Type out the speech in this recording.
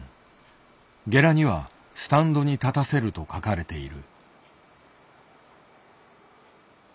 ゲラには「スタンドに『立たせる』」と書かれている。